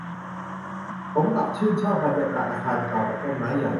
ผมกลับชื่นชอบบรรยากาศอาคารเก่ากับต้นไม้ใหญ่